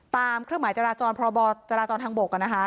ตามเครื่องหมายจราจรพบจราจรทางบกแล้วนะคะ